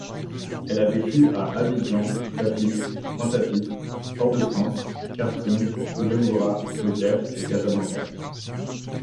Elle a vécu à Abidjan, Papeete, Pointe-à-Pitre, Fort-de-France, Khartoum, Bujumbura, Le Caire et Casablanca.